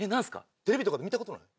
テレビとかで見たことない？